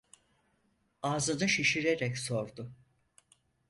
Ağzını şişirerek sordu: